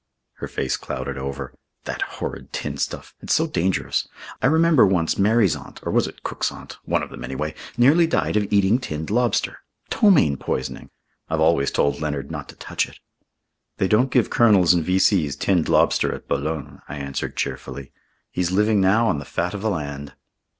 Her face clouded over. "That horrid tinned stuff. It's so dangerous. I remember once Mary's aunt or was it Cook's aunt one of them any way nearly died of eating tinned lobster ptomaine poisoning. I've always told Leonard not to touch it. "They don't give Colonels and V.C.s tinned lobster at Boulogne," I answered cheerfully. "He's living now on the fat of the land."